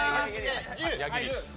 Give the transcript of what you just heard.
１０。